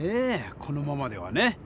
このままではね。